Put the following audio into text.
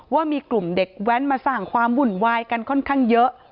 ว่ามีกลุ่มเด็กแว้นมาสร้างความวุ่นวายกันค่อนข้างเยอะ